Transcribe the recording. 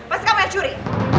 pasti kamu yang curi